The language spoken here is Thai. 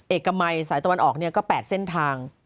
เอกมัยสายตะวันออกก็๘เส้นทาง